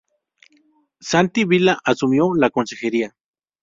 Santi Vila asumió la consejería.